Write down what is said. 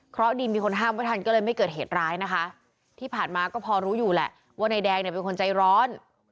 เพราะดีมีคนห้ามไว้ทันก็เลยไม่เกิดเหตุร้ายนะคะที่ผ่านมาก็พอรู้อยู่แหละว่านายแดงเนี่ยเป็นคนใจร้อน